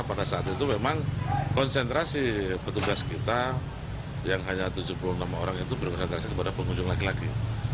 pada saat itu memang konsentrasi petugas kita yang hanya tujuh puluh enam orang itu berprestasi kepada pengunjung laki laki